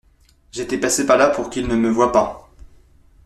J’étais passé par là pour qu’il ne me voit pas.